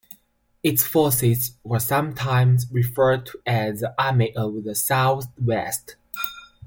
Its forces were sometimes referred to as the Army of the Southwest.